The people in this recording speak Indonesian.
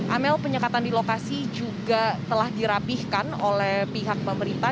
amel penyekatan di lokasi juga telah dirapihkan oleh pihak pemerintah